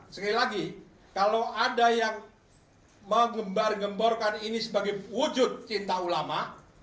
sekali lagi kalau ada yang mengembar gemborkan ini sebagai wujud cinta ulama